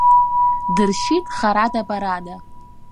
Дыршьит харада-барада.